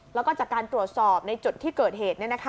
แล้วก็จากการตรวจสอบในจุดที่เกิดเหตุ